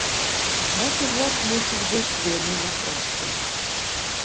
Гэты год мусіць быць вельмі няпростым.